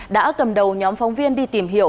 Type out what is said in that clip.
đã cầm đầu nhóm phóng viên đi tìm hiểu